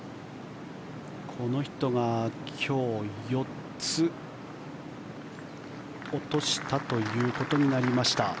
この人が今日４つ落としたということになりました。